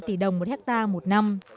hai tỷ đồng một hectare một năm